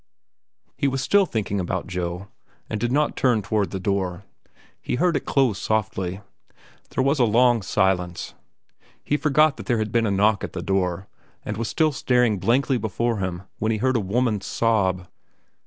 He was still thinking about Joe, and did not turn toward the door. He heard it close softly. There was a long silence. He forgot that there had been a knock at the door, and was still staring blankly before him when he heard a woman's sob.